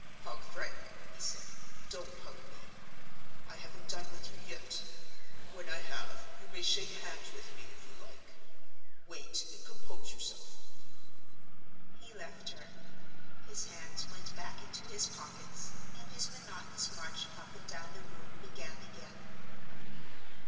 "Hug Frank," he said; "don't hug me. I haven't done with you yet; when I have, you may shake hands with me, if you like. Wait, and compose yourself." He left her. His hands went back into his pockets, and his monotonous march up and down the room began again.